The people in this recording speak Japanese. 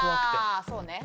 ああそうね。